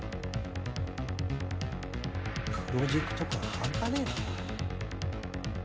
プロジェクト感ハンパねえな。